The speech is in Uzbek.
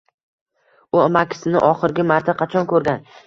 U amakisini oxirgi marta qachon ko‘rgan